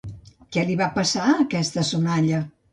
Què li va passar a aquesta sonalla?